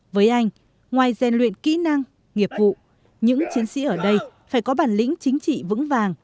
với anh ngoài rèn luyện kỹ năng nghiệp vụ những chiến sĩ ở đây phải có bản lĩnh chính trị vững vàng